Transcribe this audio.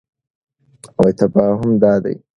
تفاهم دادی: